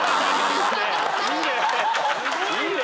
いいね！